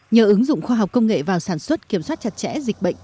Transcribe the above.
nhờ ứng dụng khoa học công nghệ vào sản xuất kiểm soát chặt chẽ dịch bệnh